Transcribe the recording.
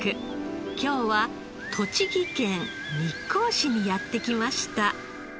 今日は栃木県日光市にやって来ました。